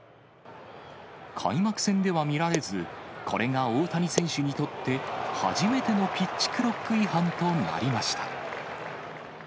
開幕戦では見られず、これが大谷選手にとって、初めてのピッチクロック違反となりました。